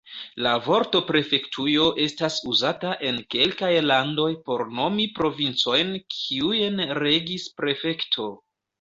La vorto prefektujo estas uzata en kelkaj landoj por nomi provincojn kiujn regis prefekto.